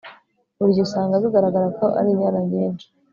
burigihe usanga bigaragara ko ari inyana nyinshi